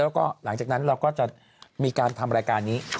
แล้วก็หลังจากนั้นเราก็จะมีการทำรายการนี้